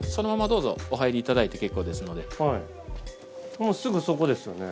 もうすぐそこですよね？